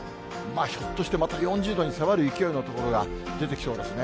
ひょっととして、また４０度に迫る勢いの所が出てきそうですね。